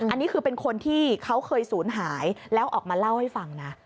อันนี้คือเป็นคนที่เขาเคยศูนย์หายแล้วออกมาเล่าให้ฟังนะ